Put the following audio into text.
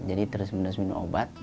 jadi terus minum obat